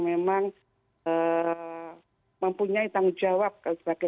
memang mempunyai tanggung jawab sebagai